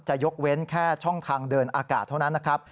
ยกเว้นแค่ช่องทางเดินอากาศเท่านั้นนะครับ